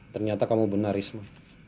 ternyata kamu benar risma